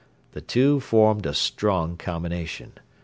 The two formed a strong combination.